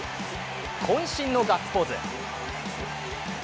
こん身のガッツポーズ。